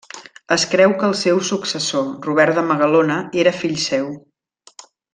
Es creu que el seu successor Robert de Magalona era fill seu.